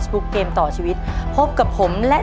สวัสดีค่ะ